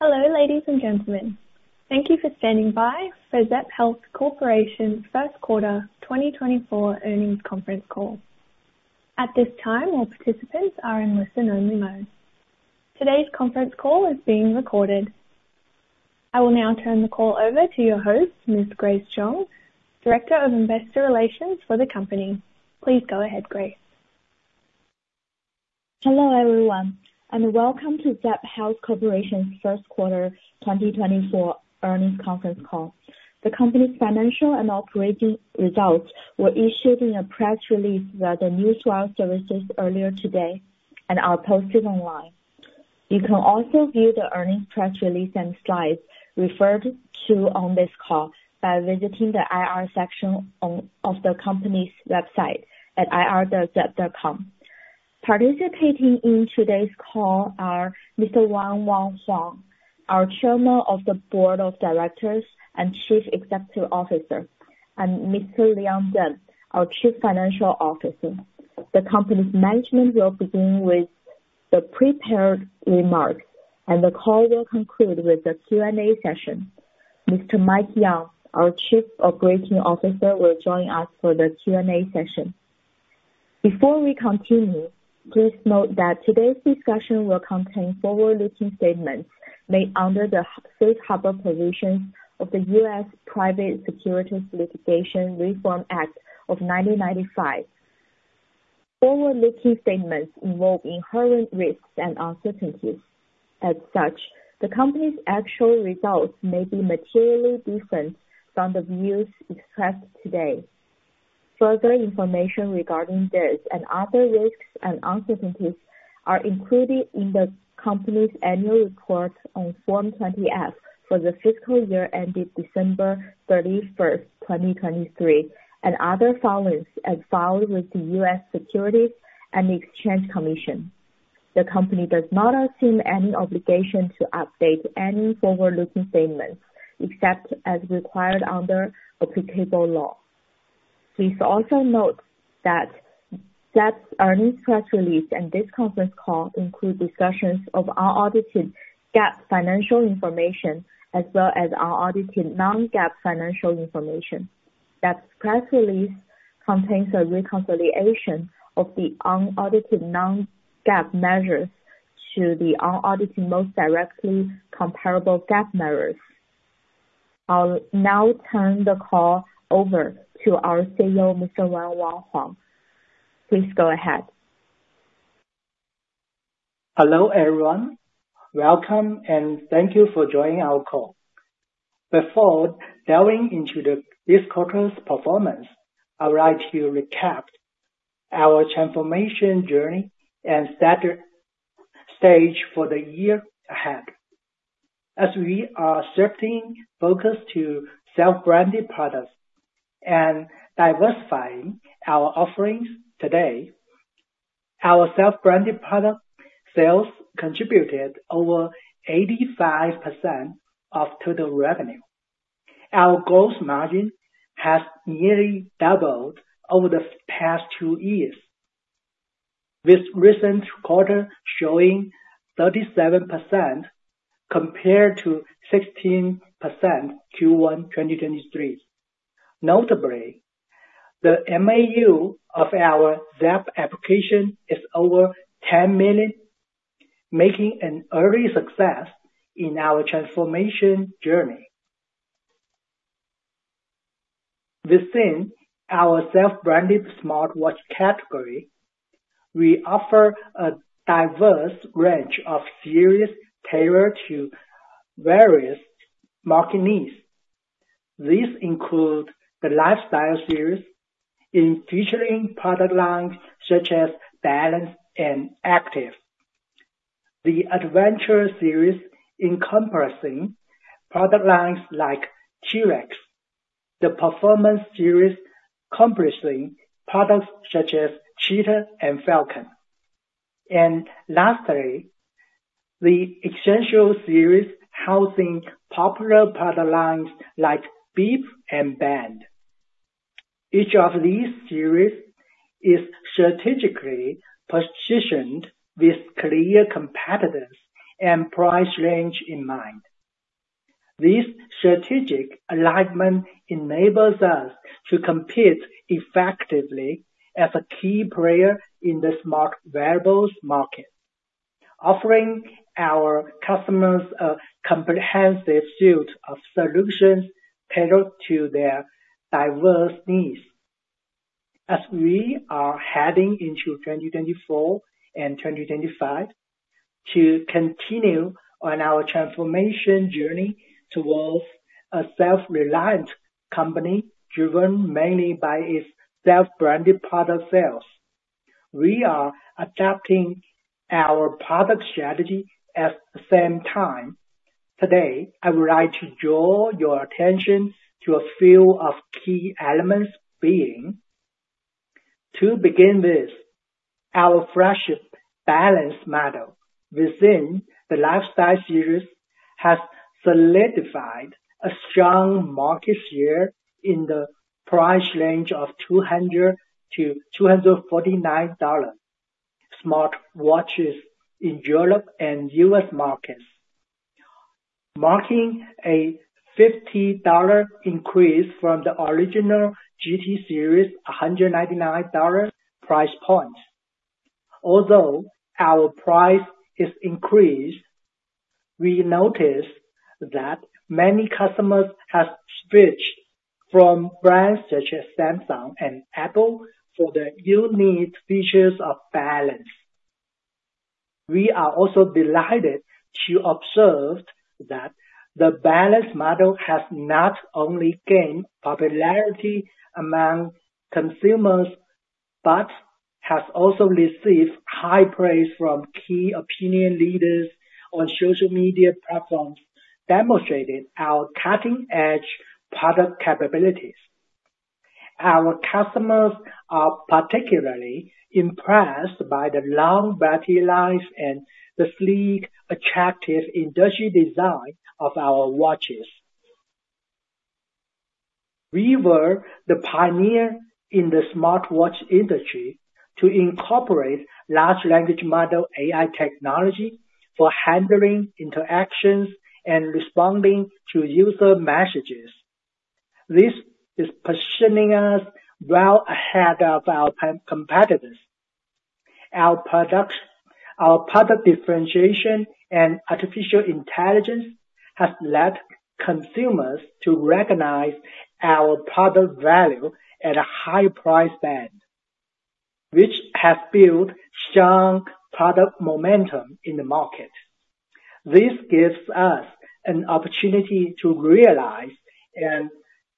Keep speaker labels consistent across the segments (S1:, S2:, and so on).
S1: Hello, ladies and gentlemen. Thank you for standing by for Zepp Health Corporation First Quarter 2024 Earnings Conference Call. At this time, all participants are in listen-only mode. Today's conference call is being recorded. I will now turn the call over to your host, Ms. Grace Zhang, Director of Investor Relations for the company. Please go ahead, Grace.
S2: Hello, everyone, and welcome to Zepp Health Corporation First Quarter 2024 Earnings Conference Call. The company's financial and operating results were issued in a press release via the Newswire services earlier today and are posted online. You can also view the earnings press release and slides referred to on this call by visiting the IR section of the company's website at ir.zepp.com. Participating in today's call are Mr. Wang Huang, our Chairman of the Board of Directors and Chief Executive Officer, and Mr. Leon Cheng Deng, our Chief Financial Officer. The company's management will begin with the prepared remarks, and the call will conclude with a Q&A session. Mr. Mike Yeung, our Chief Operating Officer, will join us for the Q&A session. Before we continue, please note that today's discussion will contain forward-looking statements made under the Safe Harbor Provisions of the U.S. Private Securities Litigation Reform Act of 1995. Forward-looking statements involve inherent risks and uncertainties. As such, the company's actual results may be materially different from the views expressed today. Further information regarding this and other risks and uncertainties are included in the company's annual report on Form 20-F for the fiscal year ended December 31, 2023, and other filings as filed with the U.S. Securities and Exchange Commission. The company does not assume any obligation to update any forward-looking statements, except as required under applicable law. Please also note that Zepp's earnings press release and this conference call include discussions of our audited GAAP financial information, as well as our audited non-GAAP financial information. Zepp's press release contains a reconciliation of the unaudited non-GAAP measures to the unaudited, most directly comparable GAAP measures. I'll now turn the call over to our CEO, Mr. Wang Huang. Please go ahead.
S3: Hello, everyone. Welcome, and thank you for joining our call. Before delving into the this quarter's performance, I would like to recap our transformation journey and set stage for the year ahead. As we are shifting focus to self-branded products and diversifying our offerings today, our self-branded product sales contributed over 85% of total revenue. Our gross margin has nearly doubled over the past two years, with recent quarter showing 37% compared to 16% Q1 2023. Notably, the MAU of our Zepp application is over 10 million, making an early success in our transformation journey. Within our self-branded smartwatch category, we offer a diverse range of series tailored to various market needs. These include the Lifestyle series, including, featuring product lines such as Balance and Active, the Adventure series, encompassing product lines like T-Rex, the Performance series, comprising products such as Cheetah and Falcon, and lastly, the Essential series, housing popular product lines like Bip and Band. Each of these series is strategically positioned with clear competitors and price range in mind. This strategic alignment enables us to compete effectively as a key player in the smart wearables market, offering our customers a comprehensive suite of solutions tailored to their diverse needs. As we are heading into 2024 and 2025, to continue on our transformation journey towards a self-reliant company, driven mainly by its self-branded product sales, we are adapting our product strategy at the same time. Today, I would like to draw your attention to a few key elements being: To begin with, our flagship Balance model within the Lifestyle series has solidified a strong market share in the price range of $200-$249.... smartwatches in Europe and U.S. markets, marking a $50 increase from the original GT series, a $199 price point. Although our price is increased, we notice that many customers have switched from brands such as Samsung and Apple for the unique features of Balance. We are also delighted to observe that the Balance model has not only gained popularity among consumers, but has also received high praise from key opinion leaders on social media platforms, demonstrating our cutting-edge product capabilities. Our customers are particularly impressed by the long battery life and the sleek, attractive, industrial design of our watches. We were the pioneer in the smartwatch industry to incorporate large language model AI technology for handling interactions and responding to user messages. This is positioning us well ahead of our competitors. Our product, our product differentiation and artificial intelligence has led consumers to recognize our product value at a high price band, which has built strong product momentum in the market. This gives us an opportunity to realize an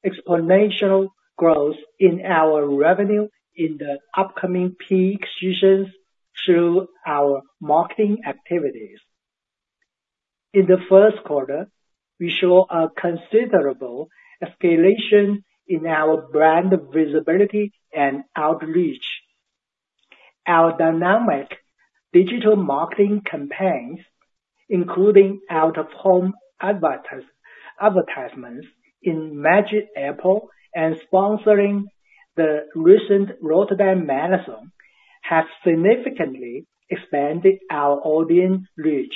S3: exponential growth in our revenue in the upcoming peak seasons through our marketing activities. In the first quarter, we show a considerable escalation in our brand visibility and outreach. Our dynamic digital marketing campaigns, including out-of-home advertisements in Madrid Airport and sponsoring the recent Rotterdam Marathon, have significantly expanded our audience reach,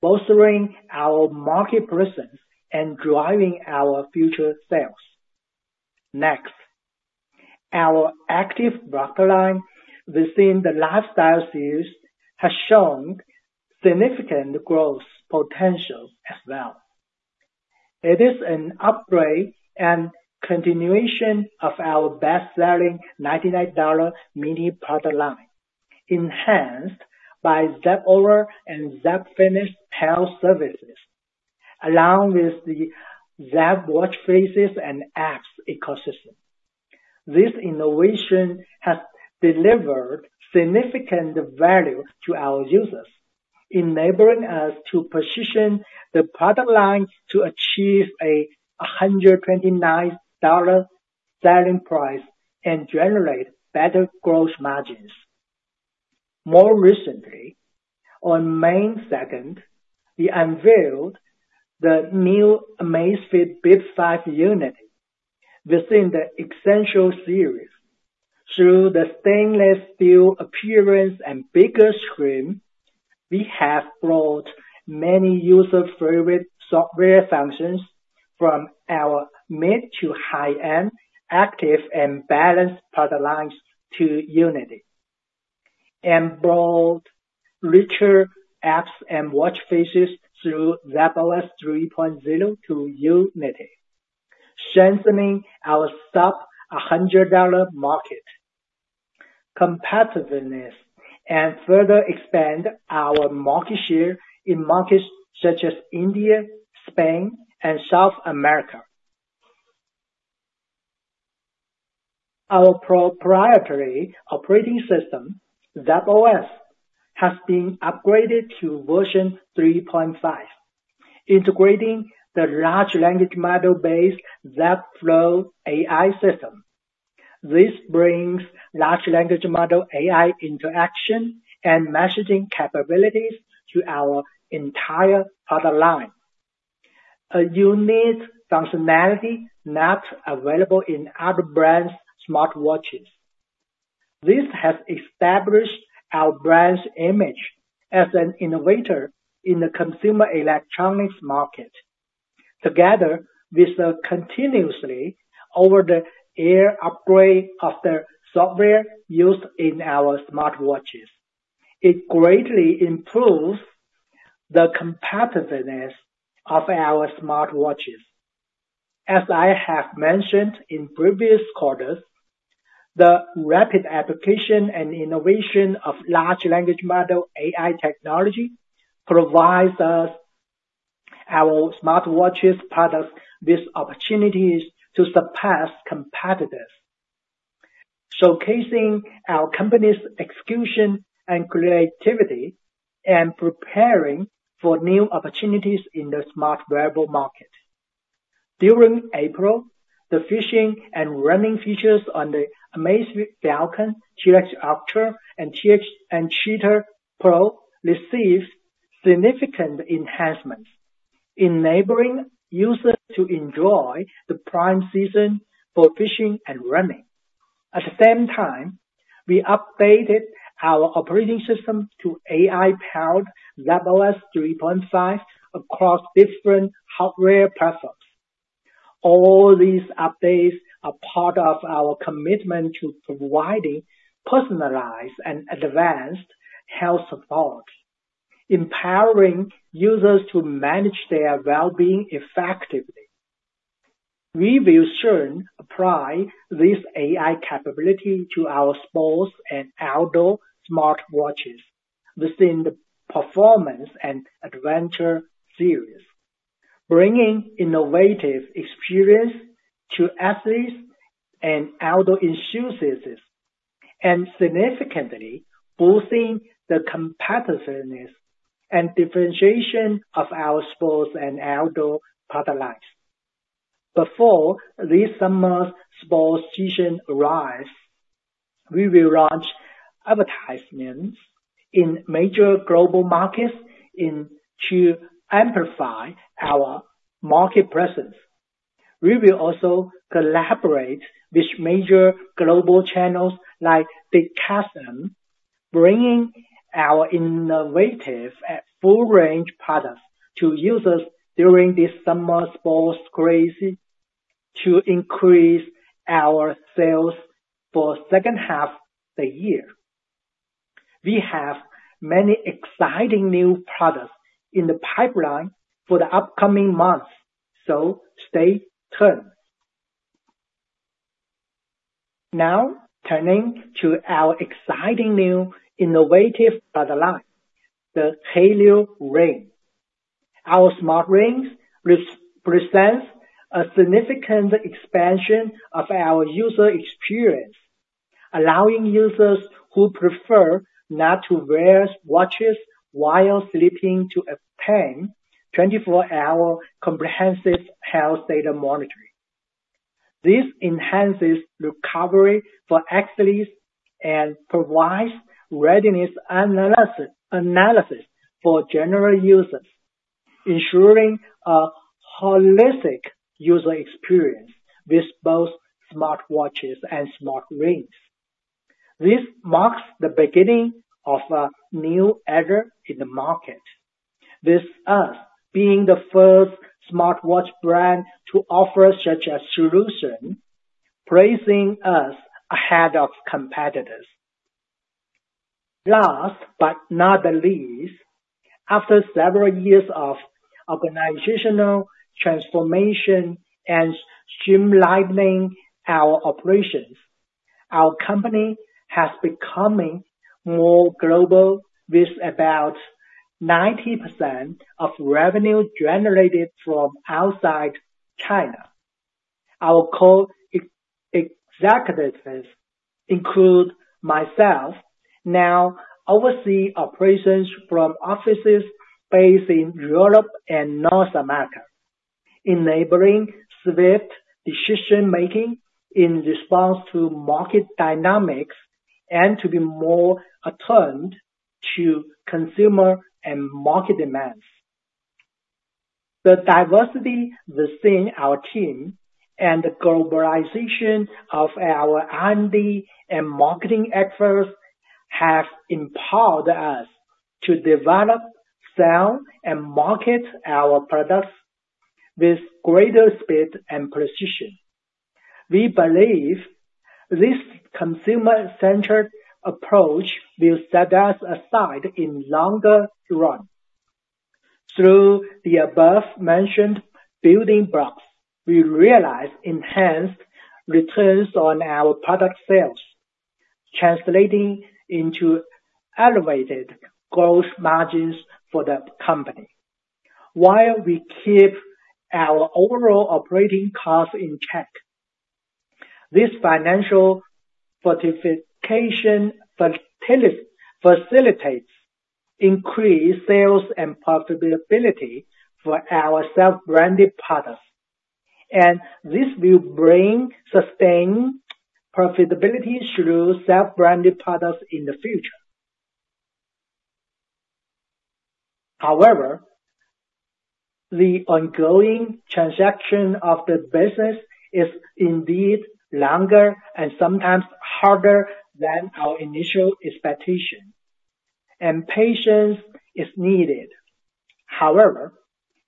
S3: bolstering our market presence and driving our future sales. Next, our Active product line within the Lifestyle Series has shown significant growth potential as well. It is an upgrade and continuation of our best-selling $99 mini product line, enhanced by Zepp Aura and Zepp Fitness health services, along with the Zepp watch faces and apps ecosystem. This innovation has delivered significant value to our users, enabling us to position the product line to achieve a $129 selling price and generate better gross margins. More recently, on May 2, we unveiled the new Amazfit Bip 5 Unity within the Essential Series. Through the stainless steel appearance and bigger screen, we have brought many user-favorite software functions from our mid to high-end, Active and Balance product lines to Unity, and brought richer apps and watch faces through Zepp OS 3.0 to Unity, strengthening our sub-$100 market competitiveness and further expand our market share in markets such as India, Spain, and South America. Our proprietary operating system, Zepp OS, has been upgraded to version 3.5, integrating the large language model-based Zepp Flow AI system. This brings large language model AI interaction and messaging capabilities to our entire product line, a unique functionality not available in other brands' smartwatches. This has established our brand's image as an innovator in the consumer electronics market, together with the continuously over-the-air upgrade of the software used in our smartwatches. It greatly improves the competitiveness of our smartwatches. As I have mentioned in previous quarters, the rapid application and innovation of large language model AI technology provides us, our smartwatches products, with opportunities to surpass competitors, showcasing our company's execution and creativity, and preparing for new opportunities in the smart wearable market. During April, the fishing and running features on the Amazfit Falcon, T-Rex Ultra, and T-Rex and Cheetah Pro, received significant enhancements.... Enabling users to enjoy the prime season for fishing and running. At the same time, we updated our operating system to AI-powered Zepp OS 3.5 across different hardware platforms. All these updates are part of our commitment to providing personalized and advanced health support, empowering users to manage their well-being effectively. We will soon apply this AI capability to our sports and outdoor smartwatches within the Performance and Adventure series, bringing innovative experience to athletes and outdoor enthusiasts, and significantly boosting the competitiveness and differentiation of our sports and outdoor product lines. Before this summer's sports season arrives, we will launch advertisements in major global markets in, to amplify our market presence. We will also collaborate with major global channels like Decathlon, bringing our innovative and full range products to users during this summer sports craze, to increase our sales for second half the year. We have many exciting new products in the pipeline for the upcoming months, so stay tuned! Now, turning to our exciting new innovative product line, the Helio Ring. Our smart rings represents a significant expansion of our user experience, allowing users who prefer not to wear watches while sleeping to obtain 24-hour comprehensive health data monitoring. This enhances recovery for athletes and provides readiness analysis for general users, ensuring a holistic user experience with both smartwatches and smart rings. This marks the beginning of a new era in the market, with us being the first smartwatch brand to offer such a solution, placing us ahead of competitors. Last but not the least, after several years of organizational transformation and streamlining our operations, our company has become more global, with about 90% of revenue generated from outside China. Our core executives, including myself, now oversee operations from offices based in Europe and North America, enabling swift decision-making in response to market dynamics and to be more attuned to consumer and market demands. The diversity within our team and the globalization of our R&D and marketing efforts have empowered us to develop, sell, and market our products with greater speed and precision. We believe this consumer-centered approach will set us apart in the long run. Through the above-mentioned building blocks, we realize enhanced returns on our product sales, translating into elevated gross margins for the company, while we keep our overall operating costs in check. This financial fortification facilitates increased sales and profitability for our self-branded products, and this will bring sustained profitability through self-branded products in the future. However, the ongoing transformation of the business is indeed longer and sometimes harder than our initial expectation, and patience is needed. However,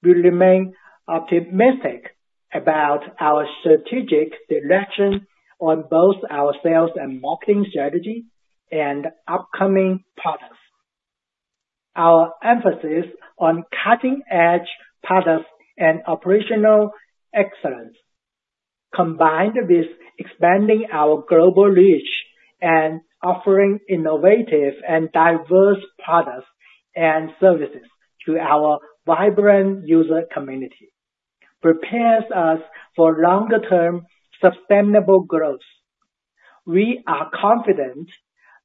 S3: we remain optimistic about our strategic direction on both our sales and marketing strategy and upcoming products. Our emphasis on cutting-edge products and operational excellence, combined with expanding our global reach and offering innovative and diverse products and services to our vibrant user community, prepares us for longer-term, sustainable growth. We are confident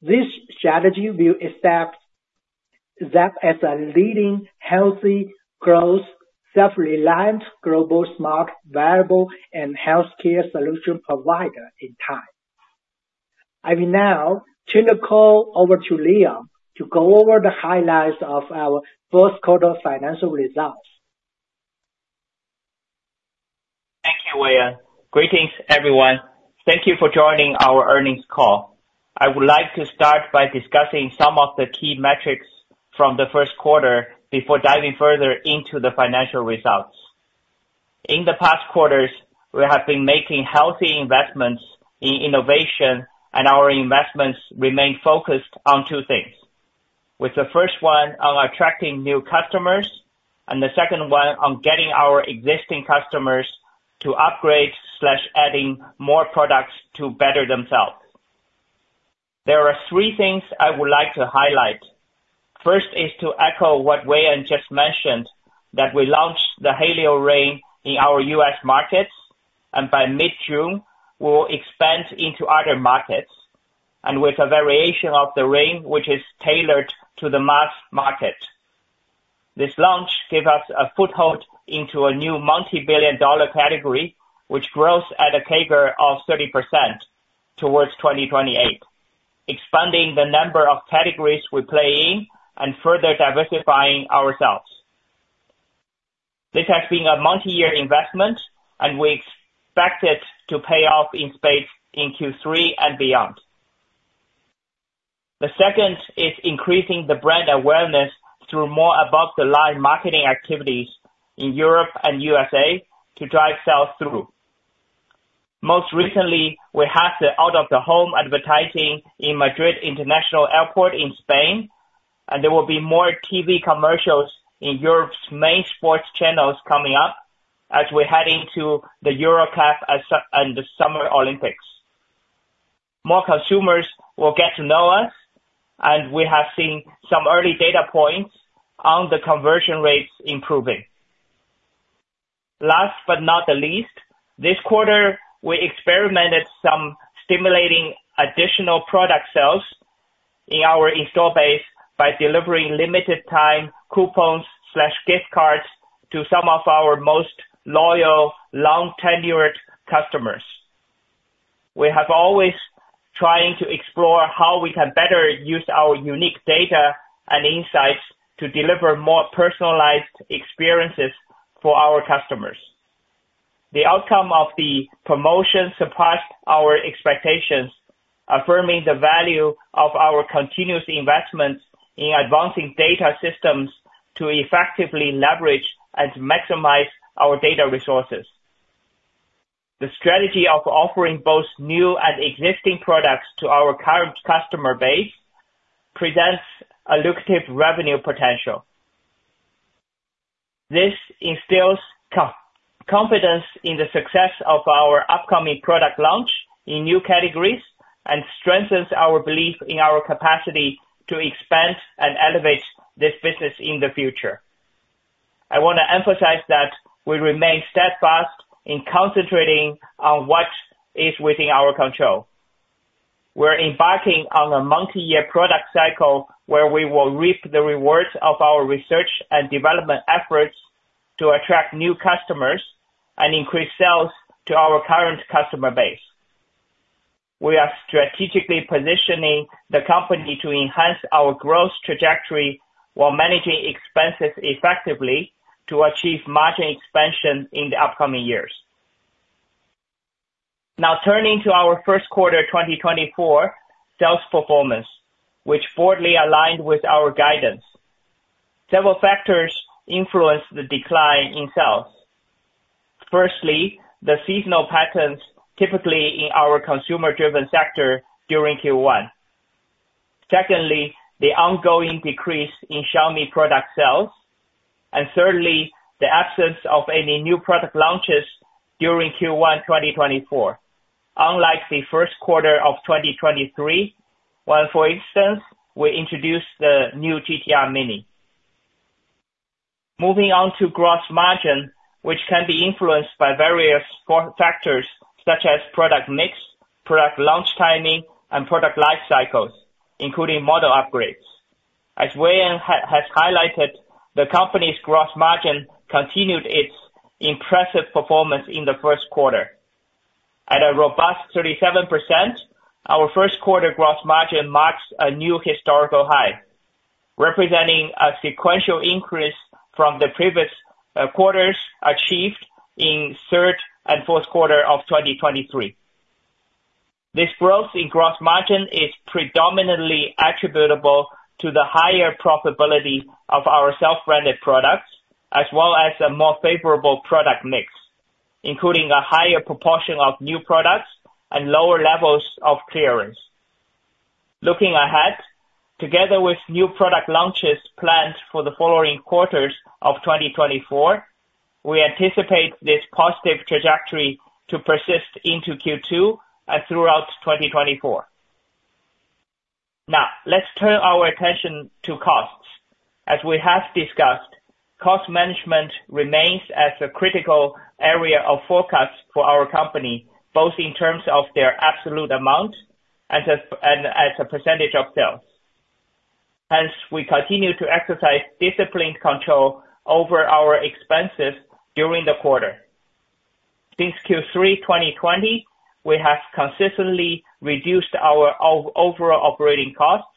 S3: this strategy will position us as a leading healthy-growth self-reliant global smart wearable and healthcare solution provider in time... I will now turn the call over to Leon to go over the highlights of our first quarter financial results.
S4: Thank you, Wei. Greetings, everyone. Thank you for joining our earnings call. I would like to start by discussing some of the key metrics from the first quarter before diving further into the financial results. In the past quarters, we have been making healthy investments in innovation, and our investments remain focused on two things, with the first one on attracting new customers, and the second one on getting our existing customers to upgrade, adding more products to better themselves. There are three things I would like to highlight. First is to echo what Wei just mentioned, that we launched the Helio Ring in our U.S. markets, and by mid-June, we will expand into other markets, and with a variation of the ring, which is tailored to the mass market. This launch gave us a foothold into a new multibillion-dollar category, which grows at a CAGR of 30% towards 2028, expanding the number of categories we play in and further diversifying ourselves. This has been a multi-year investment, and we expect it to pay off in space in Q3 and beyond. The second is increasing the brand awareness through more above-the-line marketing activities in Europe and U.S. to drive sales through. Most recently, we have the out-of-home advertising in Madrid-Barajas Airport in Spain, and there will be more TV commercials in Europe's main sports channels coming up as we head into the Euro Cup and the Summer Olympics. More consumers will get to know us, and we have seen some early data points on the conversion rates improving. Last but not the least, this quarter, we experimented with some stimulating additional product sales in our installed base by delivering limited time coupons or gift cards to some of our most loyal, long-tenured customers. We have always been trying to explore how we can better use our unique data and insights to deliver more personalized experiences for our customers. The outcome of the promotion surpassed our expectations, affirming the value of our continuous investments in advancing data systems to effectively leverage and maximize our data resources. The strategy of offering both new and existing products to our current customer base presents a lucrative revenue potential. This instills confidence in the success of our upcoming product launch in new categories and strengthens our belief in our capacity to expand and elevate this business in the future. I want to emphasize that we remain steadfast in concentrating on what is within our control. We're embarking on a multi-year product cycle, where we will reap the rewards of our research and development efforts to attract new customers and increase sales to our current customer base. We are strategically positioning the company to enhance our growth trajectory while managing expenses effectively to achieve margin expansion in the upcoming years. Now, turning to our first quarter 2024 sales performance, which broadly aligned with our guidance. Several factors influenced the decline in sales. Firstly, the seasonal patterns typically in our consumer-driven sector during Q1. Secondly, the ongoing decrease in Xiaomi product sales, and thirdly, the absence of any new product launches during Q1 2024, unlike the first quarter of 2023, where, for instance, we introduced the new GTR Mini. Moving on to gross margin, which can be influenced by various factors such as product mix, product launch timing, and product life cycles, including model upgrades. As Wei has highlighted, the company's gross margin continued its impressive performance in the first quarter. At a robust 37%, our first quarter gross margin marks a new historical high, representing a sequential increase from the previous quarters achieved in third and fourth quarter of 2023. This growth in gross margin is predominantly attributable to the higher profitability of our self-branded products, as well as a more favorable product mix, including a higher proportion of new products and lower levels of clearance. Looking ahead, together with new product launches planned for the following quarters of 2024, we anticipate this positive trajectory to persist into Q2 and throughout 2024. Now, let's turn our attention to costs. As we have discussed, cost management remains a critical area of focus for our company, both in terms of their absolute amount and as a percentage of sales. Hence, we continue to exercise disciplined control over our expenses during the quarter. Since Q3 2020, we have consistently reduced our overall operating costs,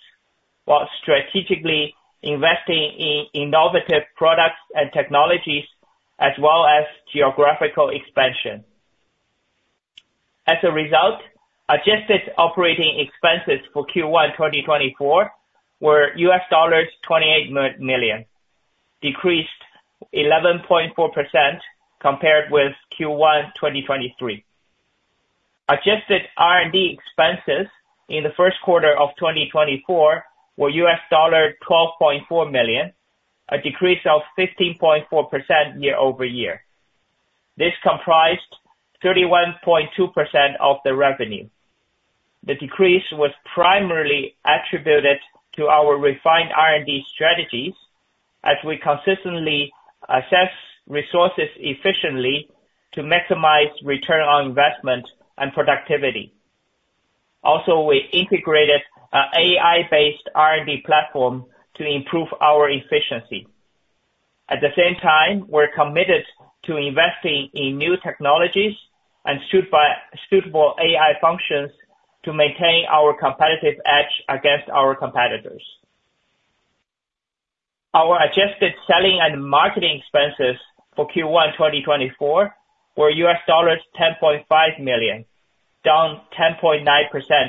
S4: while strategically investing in innovative products and technologies, as well as geographical expansion. As a result, adjusted operating expenses for Q1 2024 were $28 million, decreased 11.4% compared with Q1 2023. Adjusted R&D expenses in the first quarter of 2024 were $12.4 million, a decrease of 15.4% year-over-year. This comprised 31.2% of the revenue. The decrease was primarily attributed to our refined R&D strategies, as we consistently assess resources efficiently to maximize return on investment and productivity. Also, we integrated AI-based R&D platform to improve our efficiency. At the same time, we're committed to investing in new technologies and suitable AI functions to maintain our competitive edge against our competitors. Our adjusted selling and marketing expenses for Q1 2024 were $10.5 million, down 10.9%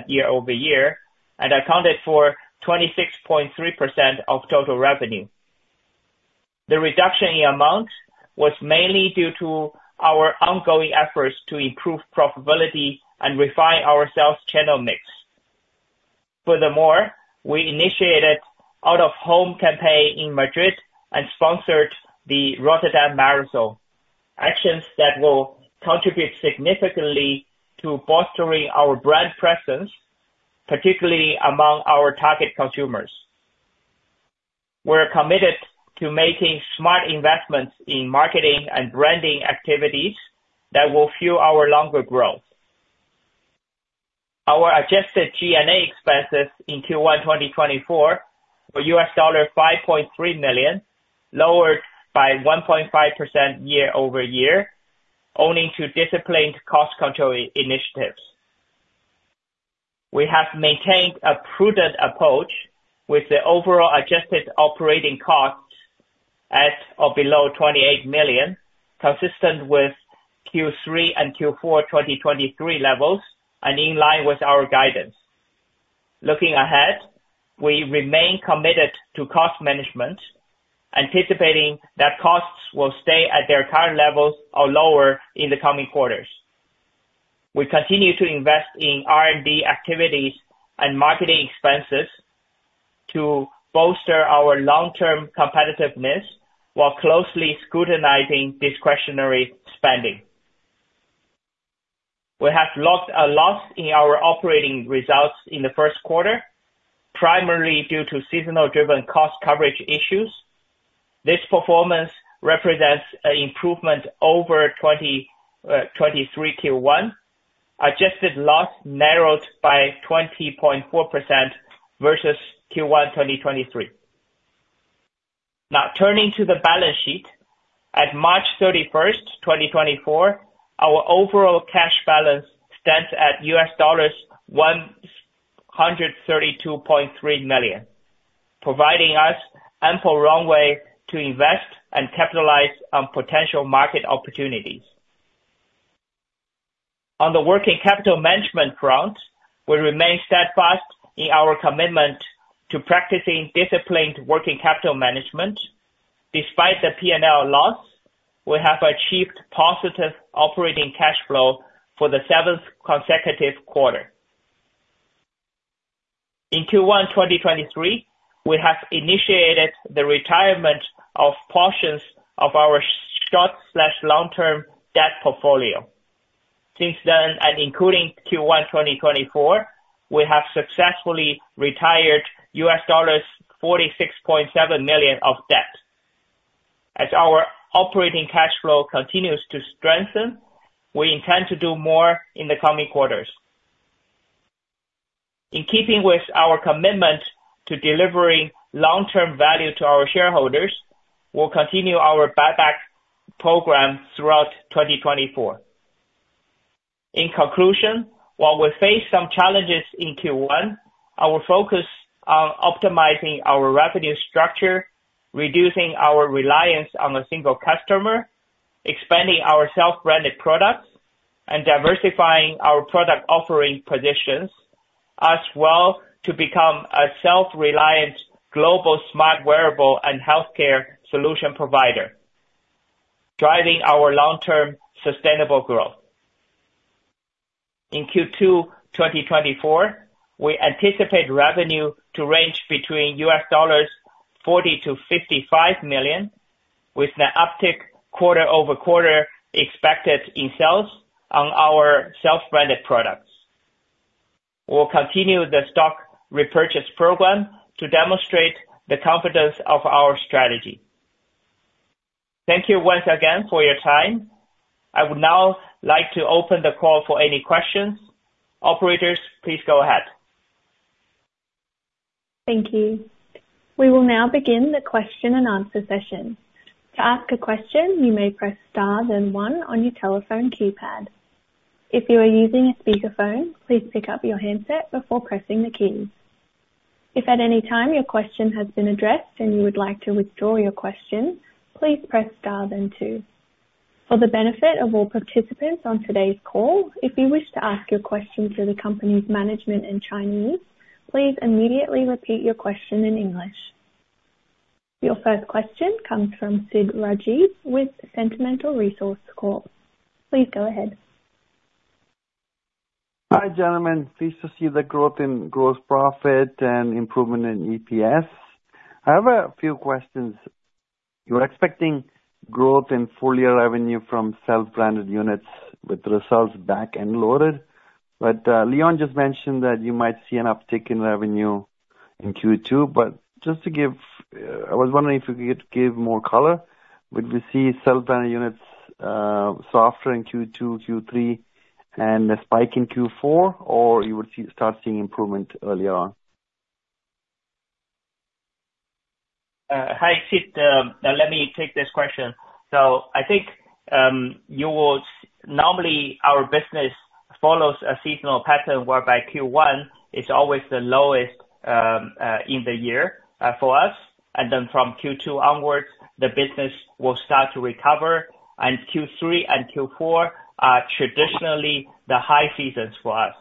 S4: year-over-year, and accounted for 26.3% of total revenue. The reduction in amount was mainly due to our ongoing efforts to improve profitability and refine our sales channel mix. Furthermore, we initiated out-of-home campaign in Madrid and sponsored the Rotterdam Marathon, actions that will contribute significantly to bolstering our brand presence, particularly among our target consumers. We're committed to making smart investments in marketing and branding activities that will fuel our longer growth. Our adjusted G&A expenses in Q1 2024 were $5.3 million, lowered by 1.5% year-over-year, owing to disciplined cost control initiatives. We have maintained a prudent approach with the overall adjusted operating costs at or below $28 million, consistent with Q3 and Q4 2023 levels, and in line with our guidance. Looking ahead, we remain committed to cost management, anticipating that costs will stay at their current levels or lower in the coming quarters. We continue to invest in R&D activities and marketing expenses to bolster our long-term competitiveness, while closely scrutinizing discretionary spending. We have posted a loss in our operating results in the first quarter, primarily due to seasonal-driven cost coverage issues. This performance represents an improvement over 2023 Q1. Adjusted loss narrowed by 20.4% versus Q1 2023. Now, turning to the balance sheet. At March 31, 2024, our overall cash balance stands at $132.3 million, providing us ample runway to invest and capitalize on potential market opportunities. On the working capital management front, we remain steadfast in our commitment to practicing disciplined working capital management. Despite the P&L loss, we have achieved positive operating cash flow for the seventh consecutive quarter. In Q1 2023, we have initiated the retirement of portions of our short- and long-term debt portfolio. Since then, and including Q1 2024, we have successfully retired $46.7 million of debt. As our operating cash flow continues to strengthen, we intend to do more in the coming quarters. In keeping with our commitment to delivering long-term value to our shareholders, we'll continue our buyback program throughout 2024. In conclusion, while we face some challenges in Q1, our focus on optimizing our revenue structure, reducing our reliance on a single customer, expanding our self-branded products, and diversifying our product offering positions, as well to become a self-reliant global smart wearable and healthcare solution provider, driving our long-term sustainable growth. In Q2 2024, we anticipate revenue to range between $40 million-$55 million, with an uptick quarter-over-quarter expected in sales on our self-branded products. We'll continue the stock repurchase program to demonstrate the confidence of our strategy.... Thank you once again for your time. I would now like to open the call for any questions. Operator, please go ahead.
S1: Thank you. We will now begin the question and answer session. To ask a question, you may press star then one on your telephone keypad. If you are using a speakerphone, please pick up your handset before pressing the keys. If at any time your question has been addressed and you would like to withdraw your question, please press star then two. For the benefit of all participants on today's call, if you wish to ask your question to the company's management in Chinese, please immediately repeat your question in English. Your first question comes from Sid Rajeev with Fundamental Research Corp. Please go ahead.
S5: Hi, gentlemen. Pleased to see the growth in gross profit and improvement in EPS. I have a few questions. You're expecting growth in full-year revenue from self-branded units with results back-loaded. But, Leon just mentioned that you might see an uptick in revenue in Q2. I was wondering if you could give more color. Would we see self-branded units softer in Q2, Q3, and a spike in Q4, or you would start seeing improvement earlier on?
S4: Hi, Sid. Let me take this question. So I think, you will, normally, our business follows a seasonal pattern, whereby Q1 is always the lowest, in the year, for us, and then from Q2 onwards, the business will start to recover, and Q3 and Q4 are traditionally the high seasons for us.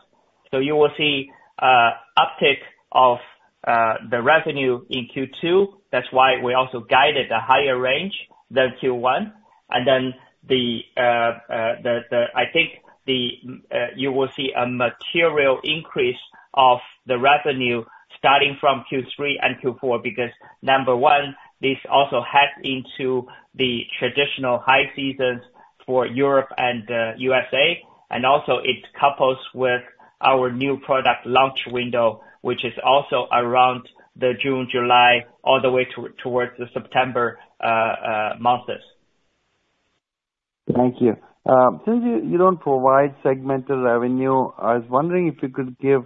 S4: So you will see, uptick of, the revenue in Q2. That's why we also guided a higher range than Q1. And then the, I think the, you will see a material increase of the revenue starting from Q3 and Q4, because number one, this also hacks into the traditional high seasons for Europe and, USA, and also it couples with our new product launch window, which is also around the June, July, all the way towards the September, months.
S5: Thank you. Since you don't provide segmental revenue, I was wondering if you could give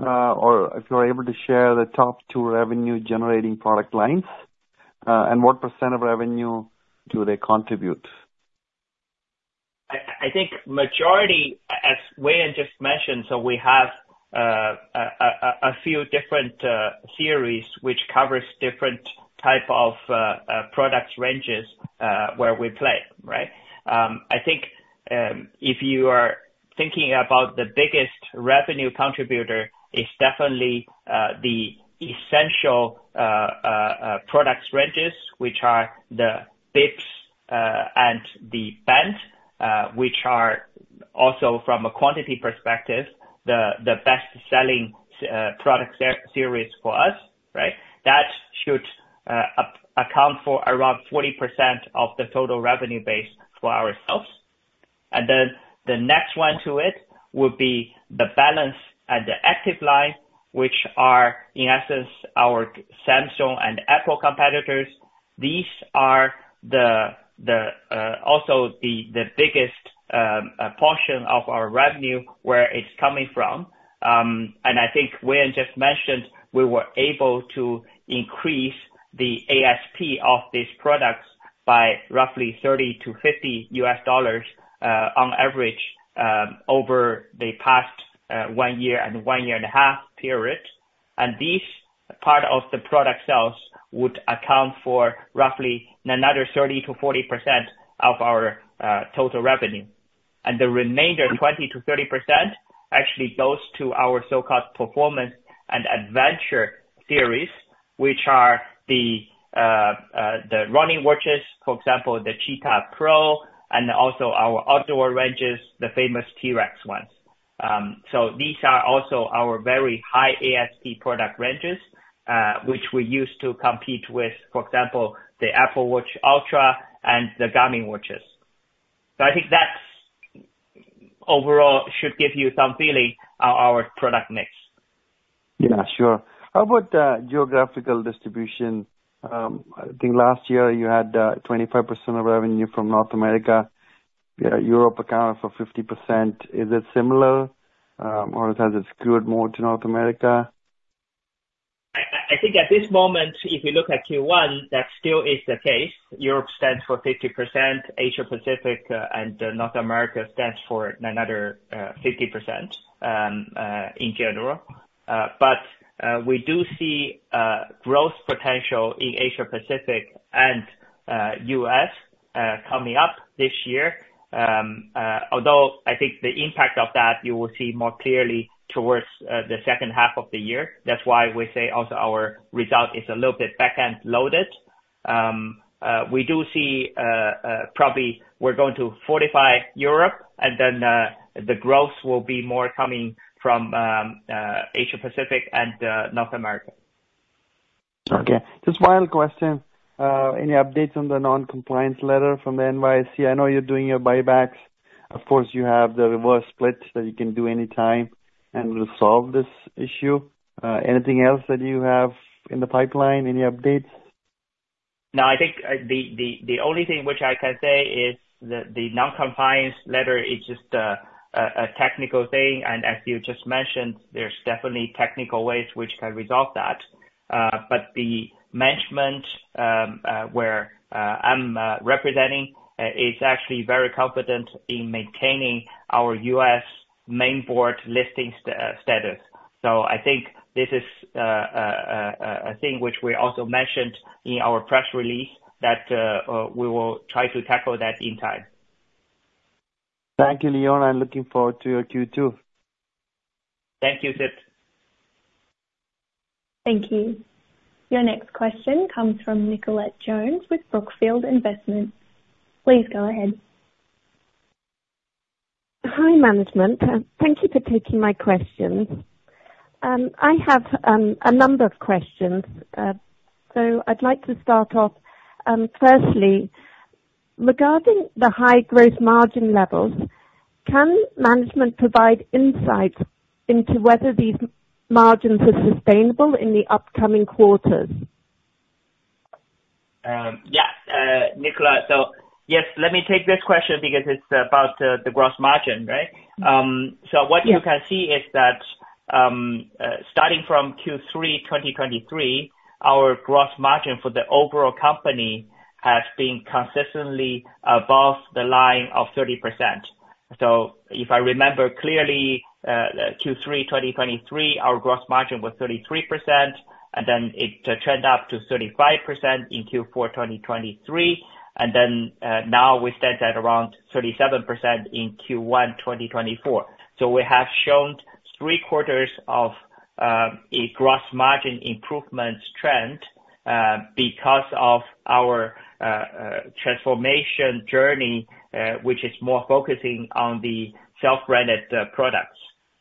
S5: or if you're able to share the top two revenue generating product lines, and what % of revenue do they contribute?
S4: I think majority, as Wayne just mentioned, so we have a few different series, which covers different type of products ranges, where we play, right? I think, if you are thinking about the biggest revenue contributor, it's definitely the Essential product ranges, which are the Bips and the Band, which are also from a quantity perspective, the best-selling product series for us, right? That should account for around 40% of the total revenue base for ourselves. And then the next one to it would be the Balance and the Active line, which are, in essence, our Samsung and Apple competitors. These are also the biggest portion of our revenue, where it's coming from. And I think Wayne just mentioned, we were able to increase the ASP of these products by roughly $30-$50, on average, over the past, one year and one year and a half period. And this part of the product sales would account for roughly another 30%-40% of our, total revenue. And the remainder, 20%-30%, actually goes to our so-called Performance and Adventure series, which are the running watches, for example, the Cheetah Pro and also our outdoor ranges, the famous T-Rex ones. So these are also our very high ASP product ranges, which we use to compete with, for example, the Apple Watch Ultra and the Garmin watches. So I think that's, overall, should give you some feeling on our product mix.
S5: Yeah, sure. How about geographical distribution? I think last year you had 25% of revenue from North America. Europe accounted for 50%. Is it similar, or has it skewed more to North America?
S4: I think at this moment, if you look at Q1, that still is the case. Europe stands for 50%, Asia Pacific, and North America stands for another, 50%, in general. But, we do see, growth potential in Asia Pacific and, U.S., coming up this year. Although I think the impact of that you will see more clearly towards, the second half of the year, that's why we say also our result is a little bit back-end loaded. We do see, probably we're going to fortify Europe, and then, the growth will be more coming from, Asia Pacific and, North America.
S5: Okay. Just one question, any updates on the non-compliance letter from the NYSE? I know you're doing your buybacks.... Of course, you have the reverse split that you can do anytime and will solve this issue. Anything else that you have in the pipeline? Any updates?
S4: No, I think, the only thing which I can say is that the non-compliance letter is just a technical thing, and as you just mentioned, there's definitely technical ways which can resolve that. But the management where I'm representing is actually very confident in maintaining our U.S. main board listing status. So I think this is a thing which we also mentioned in our press release, that we will try to tackle that in time.
S5: Thank you, Leon. I'm looking forward to your Q2.
S4: Thank you, Sid.
S1: Thank you. Your next question comes from Nicolette Jones with Brookfield Investments. Please go ahead.
S6: Hi, management. Thank you for taking my questions. I have a number of questions, so I'd like to start off, firstly, regarding the high gross margin levels, can management provide insight into whether these margins are sustainable in the upcoming quarters?
S4: Yeah, Nicolette, so yes, let me take this question because it's about the gross margin, right?
S6: Mm-hmm. Yep.
S4: So what you can see is that, starting from Q3 2023, our gross margin for the overall company has been consistently above the line of 30%. So if I remember clearly, Q3 2023, our gross margin was 33%, and then it trend up to 35% in Q4 2023, and then, now we stand at around 37% in Q1 2024. So we have shown three quarters of, a gross margin improvement trend, because of our, transformation journey, which is more focusing on the self-branded, products.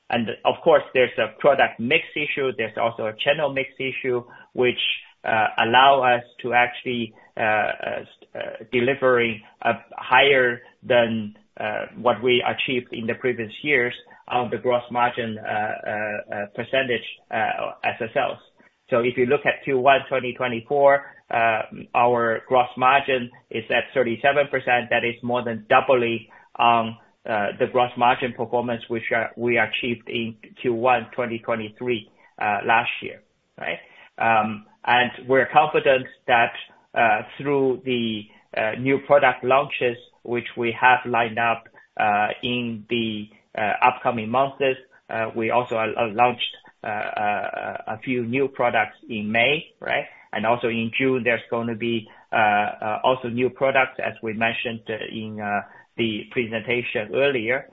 S4: And of course, there's a product mix issue, there's also a channel mix issue, which allow us to actually deliver a higher than what we achieved in the previous years on the gross margin percentage as a sales. So if you look at Q1 2024, our gross margin is at 37%. That is more than doubly on the gross margin performance, which we achieved in Q1 2023 last year. Right? And we're confident that through the new product launches, which we have lined up in the upcoming months, we also launched a few new products in May, right? And also in June, there's going to be also new products, as we mentioned, in the presentation earlier,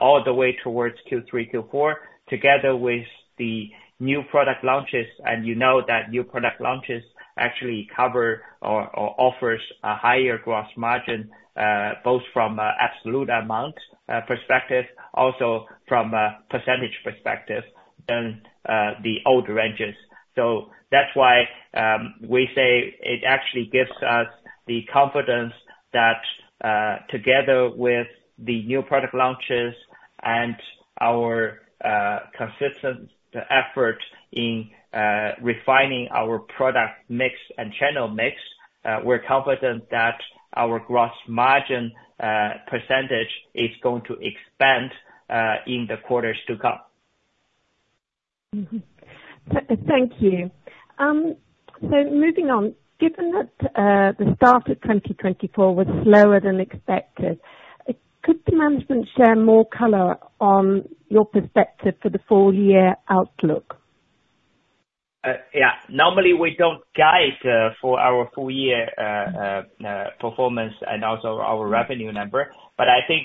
S4: all the way towards Q3, Q4, together with the new product launches. And you know that new product launches actually cover or offers a higher gross margin, both from absolute amount perspective, also from a percentage perspective than the old ranges. So that's why we say it actually gives us the confidence that together with the new product launches and our consistent effort in refining our product mix and channel mix, we're confident that our gross margin percentage is going to expand in the quarters to come.
S6: Mm-hmm. Thank you. So moving on, given that, the start of 2024 was slower than expected, could management share more color on your perspective for the full year outlook?
S4: Yeah. Normally, we don't guide for our full year performance and also our revenue number, but I think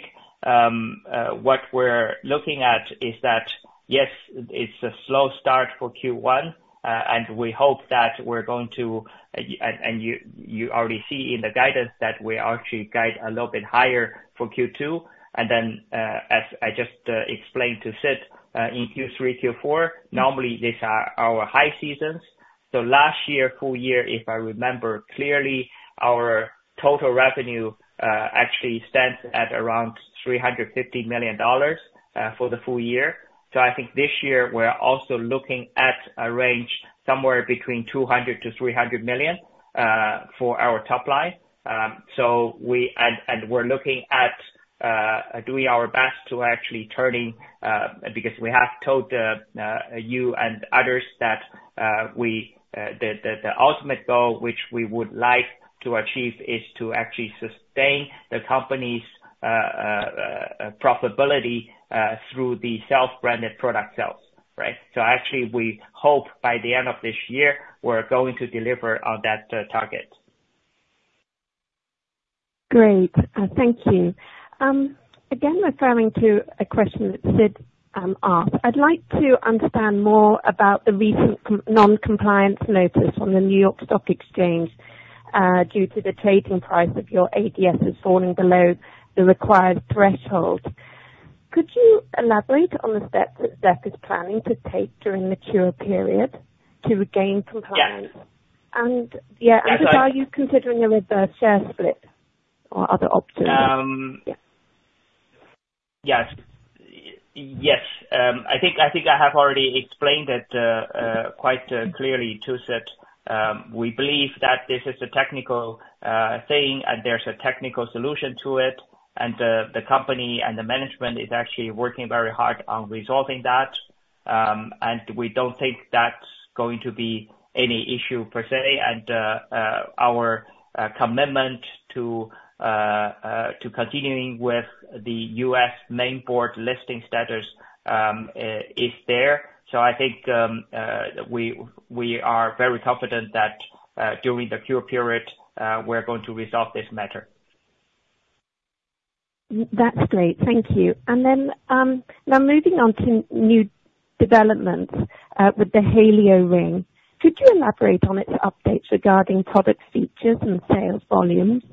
S4: what we're looking at is that, yes, it's a slow start for Q1, and we hope that we're going to, and you already see in the guidance that we actually guide a little bit higher for Q2. And then, as I just explained to Sid, in Q3, Q4, normally these are our high seasons. So last year, full year, if I remember clearly, our total revenue actually stands at around $350 million for the full year. So I think this year we're also looking at a range somewhere between $200 million-$300 million for our top line. So we... We're looking at doing our best to actually turning, because we have told you and others that the ultimate goal, which we would like to achieve, is to actually sustain the company's profitability through the self-branded product sales, right? So actually, we hope by the end of this year, we're going to deliver on that target.
S6: Great. Thank you. Again, referring to a question that Sid asked, I'd like to understand more about the recent non-compliance notice on the New York Stock Exchange, due to the trading price of your ADSs falling below the required threshold. Could you elaborate on the steps that Zepp is planning to take during the cure period to regain compliance?
S4: Yes.
S6: Yeah, are you considering a reverse share split or other options?
S4: Yes. Yes, I think I have already explained it quite clearly to Sid. We believe that this is a technical thing, and there's a technical solution to it, and the company and the management is actually working very hard on resolving that. And we don't think that's going to be any issue per se. And our commitment to continuing with the U.S. main board listing status is there. So I think we are very confident that during the cure period, we're going to resolve this matter.
S6: That's great. Thank you. And then, now moving on to new developments, with the Helio Ring. Could you elaborate on its updates regarding product features and sales volumes?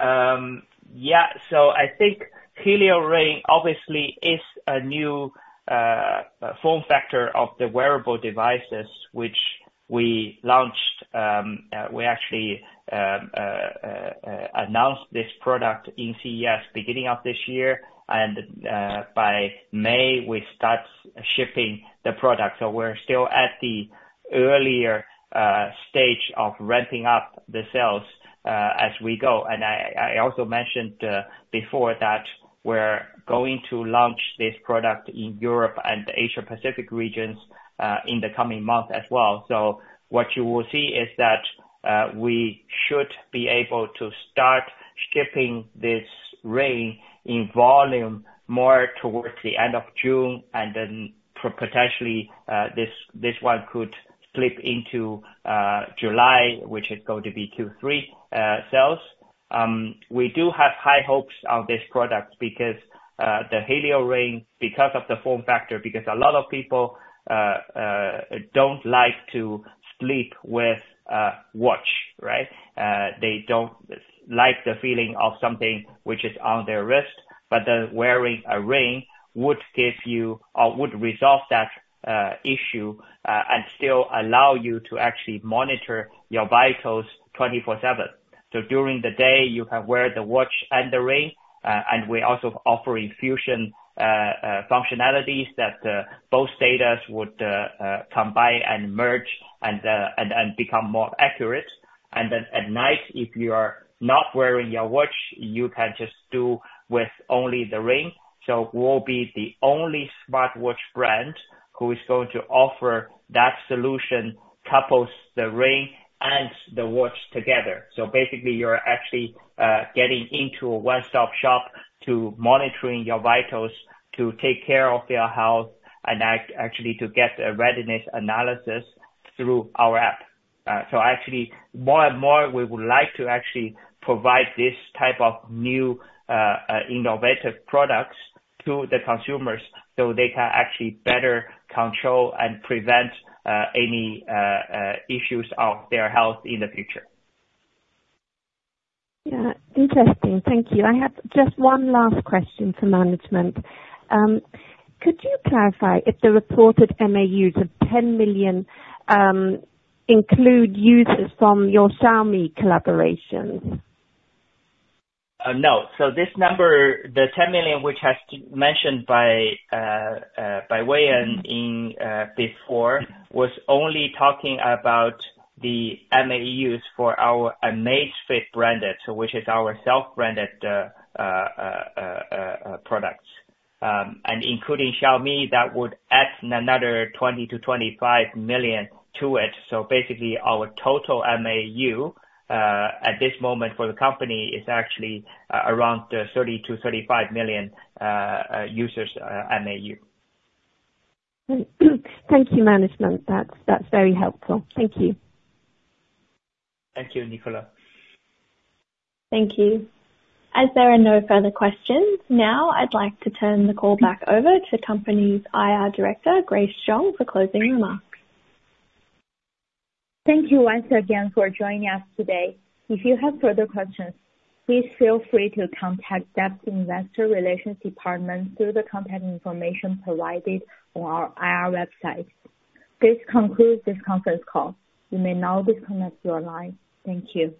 S4: Yeah. So I think Helio Ring obviously is a new form factor of the wearable devices, which we launched. We actually announced this product in CES beginning of this year, and by May, we start shipping the product. So we're still at the earlier stage of ramping up the sales as we go. And I also mentioned before that we're going to launch this product in Europe and Asia Pacific regions in the coming month as well. So what you will see is that we should be able to start shipping this ring in volume more towards the end of June, and then potentially this one could slip into July, which is going to be Q3 sales. We do have high hopes of this product because the Helio Ring, because of the form factor, because a lot of people don't like to sleep with a watch, right? They don't like the feeling of something which is on their wrist, but then wearing a ring would give you or would resolve that issue, and still allow you to actually monitor your vitals 24/7. So during the day, you can wear the watch and the ring, and we also offering fusion functionalities that both data would combine and merge and become more accurate. And then at night, if you are not wearing your watch, you can just do with only the ring. So we'll be the only smartwatch brand who is going to offer that solution, couples the ring and the watch together. So basically, you're actually getting into a one-stop shop to monitoring your vitals, to take care of your health, and actually to get a readiness analysis through our app. So actually, more and more, we would like to actually provide this type of new innovative products to the consumers, so they can actually better control and prevent any issues of their health in the future.
S6: Yeah. Interesting. Thank you. I have just one last question for management. Could you clarify if the reported MAUs of 10 million include users from your Xiaomi collaboration?
S4: No. So this number, the 10 million, which has mentioned by by Wei in before, was only talking about the MAUs for our Amazfit branded, so which is our self-branded products. Including Xiaomi, that would add another 20 million-25 million to it. So basically, our total MAU at this moment for the company is actually around 30 million-35 million users MAU.
S6: Thank you, management. That's, that's very helpful. Thank you.
S4: Thank you, Nicolette.
S1: Thank you. As there are no further questions, now I'd like to turn the call back over to the company's IR director, Grace Zhang, for closing remarks.
S2: Thank you once again for joining us today. If you have further questions, please feel free to contact Zepp Investor Relations Department through the contact information provided on our IR website. This concludes this conference call. You may now disconnect your line. Thank you.